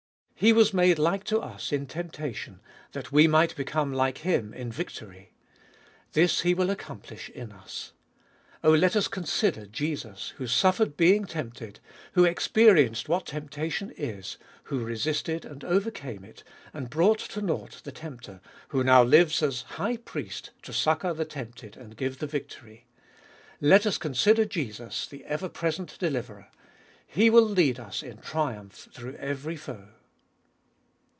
He was made like to us in temptation, that we might become like Him in victory. This He will accomplish in us. Oh, let us consider Jesus, who suffered being tempted, who experienced what temptation is, who resisted and overcame it, and brought to nought the tempter, who now Hues as High Priest to succour the tempted and give the victory let us consider Jesus, the euer present Deliverer : He will lead us in triumph through every foe.